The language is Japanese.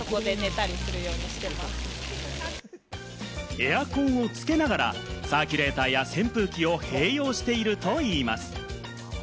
エアコンをつけながら、サーキュレーターや扇風機を併用しているといいます。